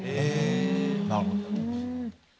なるほど。